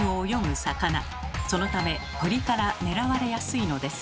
そのため鳥から狙われやすいのです。